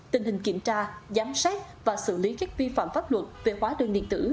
tình hình kiểm tra giám sát và xử lý các vi phạm pháp luật về hóa đơn điện tử